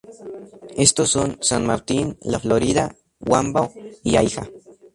Estos son: San Martín, La Florida, Huambo y Aija.